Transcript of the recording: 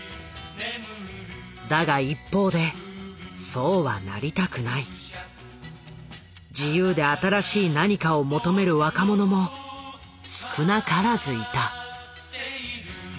だが一方でそうはなりたくない自由で新しい何かを求める若者も少なからずいた。